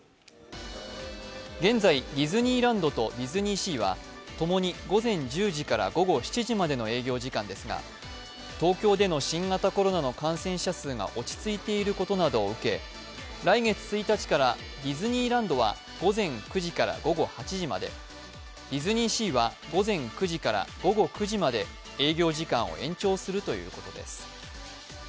現在ディズニーランドとディズニーシーは共に午前１０時から午後７時までの営業ですが東京での新型コロナの感染者数が落ち着いていることなどを受け来月１日からディズニーランドは午前９時から午後８時まで、ディズニーシーは午前９時から午後９時まで営業時間を延長するということです。